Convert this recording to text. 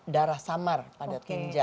darah samar pada kinja